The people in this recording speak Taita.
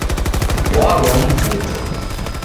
Warwa Mvuto